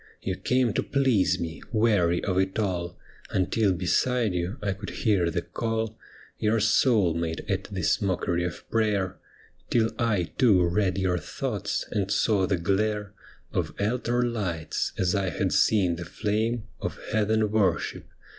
You came to please me, weary of it all, Until beside you I could hear the call Your soul made at this mockery of prayer, Till I too read your thoughts, and saw the glare Of altar lights, as I had seen the flame Of heathen worship.